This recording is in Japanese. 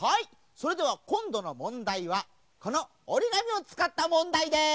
それではこんどのもんだいはこのおりがみをつかったもんだいです！